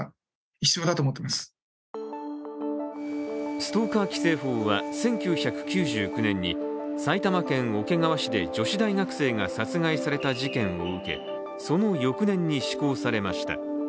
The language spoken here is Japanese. ストーカー規制法は、１９９９年に埼玉県桶川市で女子大学生が殺害された事件を受け、その翌年に施行されました。